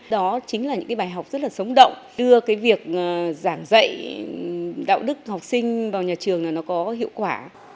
đó chính là những cái bài học rất là sống động đưa cái việc giảng dạy đạo đức học sinh vào nhà trường là nó có hiệu quả